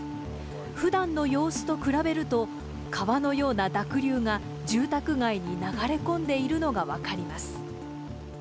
ふだんの様子と比べると、川のような濁流が住宅街に流れ込んでいるのが分かります。